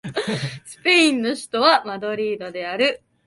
スペインの首都はマドリードである